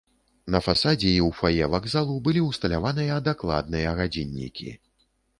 На фасадзе і ў фае вакзалу былі ўсталяваныя дакладныя гадзіннікі.